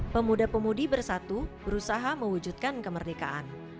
pemuda pemudi bersatu berusaha mewujudkan kemerdekaan